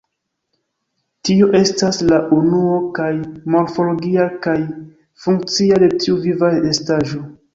Tio estas, la unuo kaj morfologia kaj funkcia de ĉiu viva estaĵo.